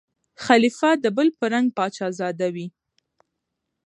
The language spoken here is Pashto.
خلیفه د بل په رنګ پاچا زاده وي